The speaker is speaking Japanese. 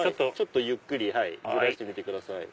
ゆっくりずらしてみてください。